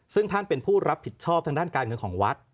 ซึ่งท่านเป็นผู้รับผิดชอบทางด้านการเงินของวัด